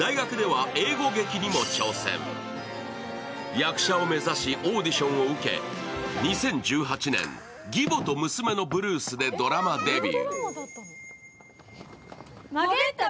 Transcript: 役者を目指しオーディションを受け、２０１８年「義母と娘のブルース」でドラマデビュー。